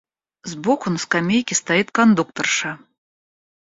Сбоку на скамейке стоит кондукторша.